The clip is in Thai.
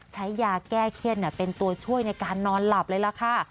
ใช้ยาแก้เขี้ยนเป็นตัวช่วยในการนอนหลับเลยล่ะค่ะ